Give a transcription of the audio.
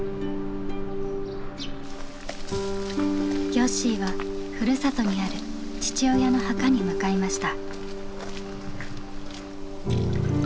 よっしーはふるさとにある父親の墓に向かいました。